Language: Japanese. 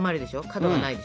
角がないでしょ？